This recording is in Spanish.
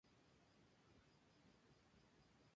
Las paredes de estas rocas están cubiertas por musgo.